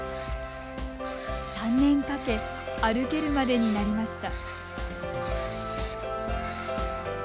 ３年かけ歩けるまでになりました。